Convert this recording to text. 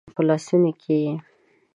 په لاسونو کې یې